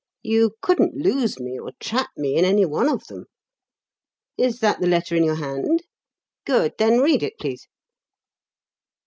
You couldn't lose me or trap me in any one of them. Is that the letter in your hand? Good then read it, please."